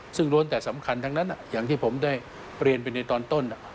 ซึ่งล้วนแต่สำคัญทั้งนั้นอย่างที่ผมได้เรียนไปในตอนต้น